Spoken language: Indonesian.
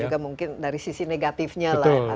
dan juga mungkin dari sisi negatifnya lah yang harus dihilangkan